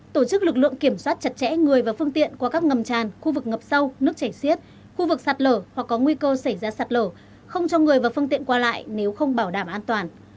tổ chức lực lượng kiểm soát chặt chẽ người và phương tiện qua các ngầm tràn khu vực ngập sâu nước chảy xiết khu vực sạt lở hoặc có nguy cơ xảy ra sạt lở không cho người và phương tiện qua lại nếu không bảo đảm an toàn